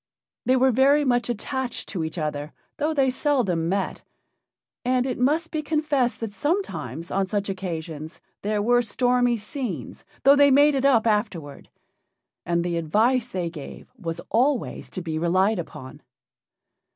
They were very much attached to each other, though they seldom met, and it must be confessed that sometimes on such occasions there were stormy scenes, though they made it up afterward. And the advice they gave was always to be relied upon.